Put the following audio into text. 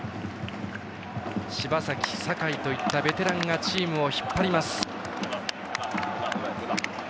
柴崎、酒井といったベテランがチームを引っ張ります。